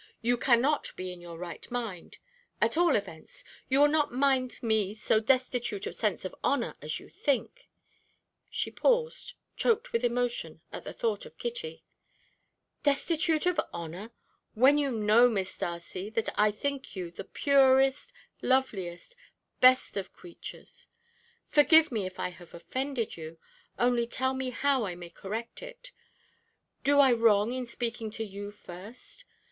You cannot be in your right mind; at all events, you will not find me so destitute of sense of honour as you think." She paused, choked with emotion at the thought of Kitty. "Destitute of honour! when you know, Miss Darcy, that I think you the purest, loveliest, best of creatures. Forgive me if I have offended you, only tell me how I may correct it. Do I wrong in speaking to you first?